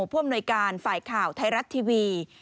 ผู้อำนวยการฝ่ายข่าวไทยรัฐทีวี